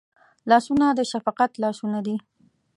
لاسونه د شفقت لاسونه دي